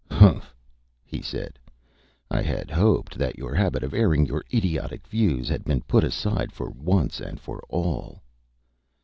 "Humph!" he said. "I had hoped that your habit of airing your idiotic views had been put aside for once and for all."